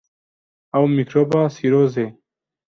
Ew mîkroba sîrozê.